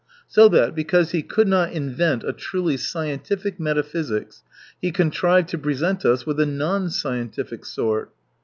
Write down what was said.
So that, because he could not invent a truly scientific metaphysics, he contrived to present us with a non scientific sort.